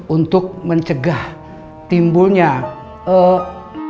untuk mencegah timbulnya eh